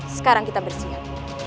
sekarang kita bersiap